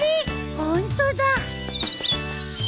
ホントだ！